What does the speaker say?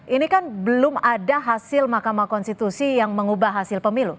ini kan belum ada hasil mahkamah konstitusi yang mengubah hasil pemilu